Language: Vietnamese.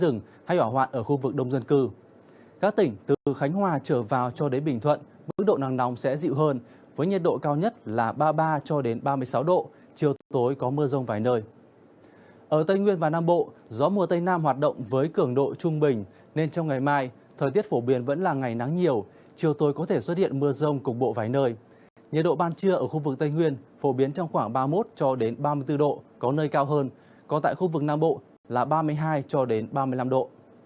nhiệt độ ban trưa ở khu vực tây nguyên phổ biến trong khoảng ba mươi một ba mươi bốn độ có nơi cao hơn còn tại khu vực nam bộ là ba mươi hai ba mươi năm độ